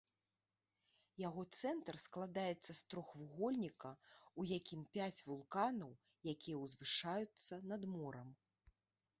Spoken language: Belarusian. Яго цэнтр складаецца з трохвугольніка, у якім пяць вулканаў, якія ўзвышаюцца над морам.